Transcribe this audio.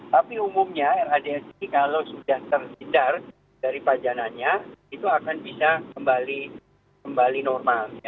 tapi umumnya radn ini kalau sudah tersedar dari pajanannya itu akan bisa kembali normal